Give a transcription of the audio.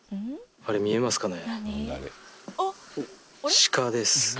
あれ見えますかね？